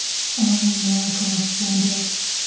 O miracle of splendor !